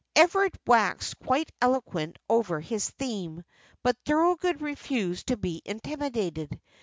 Everard waxed quite eloquent over his theme, but Thorold refused to be intimidated.